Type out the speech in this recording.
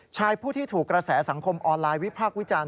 ชายผู้ที่ถูกกระแสสังคมออนไลน์วิพากษ์วิจารณ